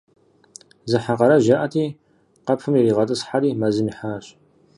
Зы хьэ къарэжь яӏэти, къэпым иригъэтӏысхьэри, мэзым ихьащ.